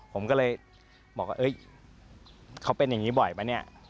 ผมก็เลยบอกว่าเขาเป็นอย่างนี้บ่อยป่ะเนี่ย